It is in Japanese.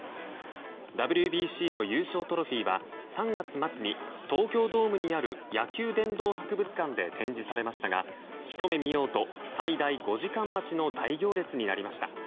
ＷＢＣの優勝トロフィーは３月末に東京ドームにある野球殿堂博物館で展示されましたがひと目見ようと最大５時間待ちの大行列になりました。